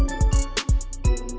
mereka jatuh tuh kalung gue